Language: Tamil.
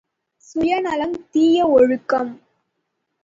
சுயநலம் தீய ஒழுக்கம்.